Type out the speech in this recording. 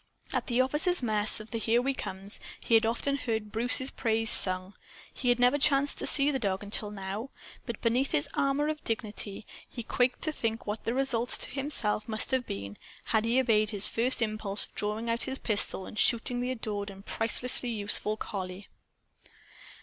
At the officers' mess of the "Here We Comes," he had often heard Bruce's praises sung. He had never chanced to see the dog until now. But, beneath his armor of dignity, he quaked to think what the results to himself must have been, had he obeyed his first impulse of drawing his pistol and shooting the adored and pricelessly useful collie.